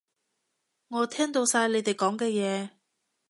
我聽到晒你哋講嘅嘢